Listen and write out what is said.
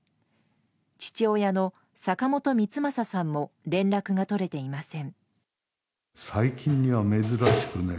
父親の坂本光正さんも連絡が取れていません。